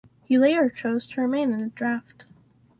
He later chose to remain in the draft.